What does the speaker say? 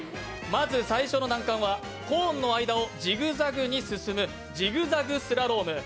まず最初の難関はコーンの間をジグザグに進むジグザグスラローム。